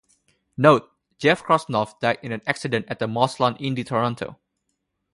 Note: Jeff Krosnoff died in an accident at the Molson Indy Toronto.